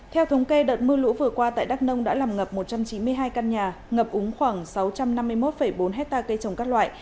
theo thống kê đợt mưa lũ vừa qua tại đắk nông đã làm ngập một trăm chín mươi hai căn nhà ngập úng khoảng sáu trăm năm mươi một bốn hectare cây trồng các loại